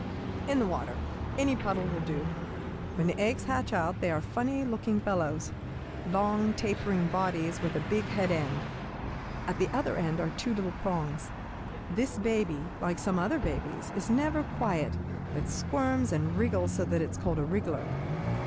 "In the water; any puddle will do. When the eggs hatch out they are funny looking fellows, long, tapering bodies with a big head end. At the other end are two little prongs. This baby, like some other babies, is never quiet, but squirms and wriggles so that it is called a wriggler.